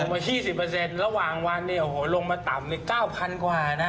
ลงมา๒๐เปอร์เซ็นต์ระหว่างวันนี้ลงมาต่ำเลย๙พันกว่านะ